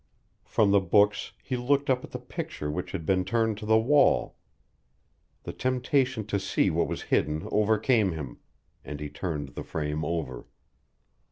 From the books he looked up at the picture which had been turned to the wall. The temptation to see what was hidden overcame him, and he turned the frame over.